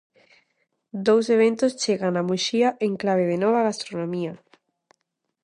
Dous eventos chegan a Muxía en clave de nova gastronomía.